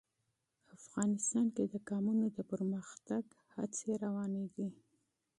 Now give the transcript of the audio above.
افغانستان کې د قومونه د پرمختګ هڅې روانې دي.